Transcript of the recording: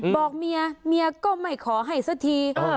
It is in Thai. บอกเมียเมียก็ไม่ขอให้สักที